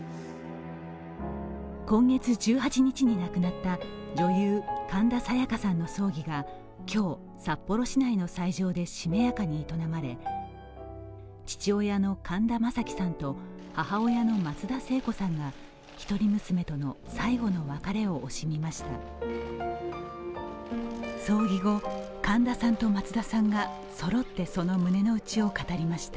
今月１８日に亡くなった、女優・神田沙也加さんの葬儀が今日、札幌市内の斎場でしめやかに営まれ父親の神田正輝さんと母親の松田聖子さんが一人娘との最後の別れを惜しみました。